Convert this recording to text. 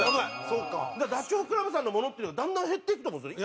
だからダチョウ倶楽部さんのものっていうのがだんだん減っていくと思うんですよね。